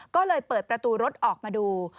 ก็เลยเปิดประตูรถออกมาดู